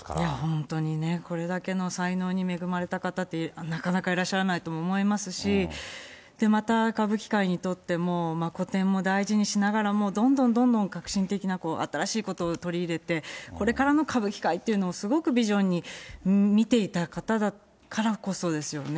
本当にね、これだけの才能に恵まれた方って、なかなかいらっしゃらないとも思いますし、また歌舞伎界にとっても、古典も大事にしながらも、どんどんどんどん革新的な新しいことを取り入れて、これからの歌舞伎界というのをすごくビジョンに見ていた方だからこそですよね。